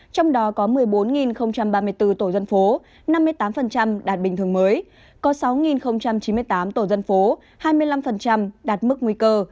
trong đó có một mươi bốn ba mươi bốn tổ dân phố năm mươi tám đạt bình thường mới có sáu chín mươi tám tổ dân phố hai mươi năm đạt mức nguy cơ